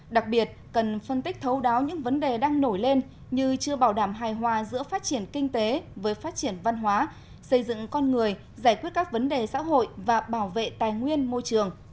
đặc biệt cần phân tích thấu đáo những vấn đề đang nổi lên như chưa bảo đảm hài hòa giữa phát triển kinh tế với phát triển văn hóa xây dựng con người giải quyết các vấn đề xã hội và bảo vệ tài nguyên môi trường